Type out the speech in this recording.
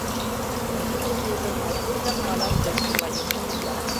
— Тикын Вӧдыр моткочак палаш тӧчышыла йодыштеш.